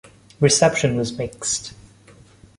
Reception was mixed.